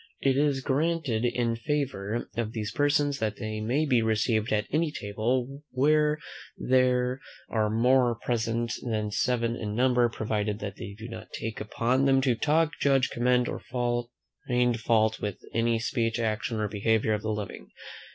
It is further granted in favour of these persons, that they may be received at any table, where there are more present than seven in number: provided that they do not take upon them to talk, judge, commend, or find fault with any speech, action, or behaviour of the living.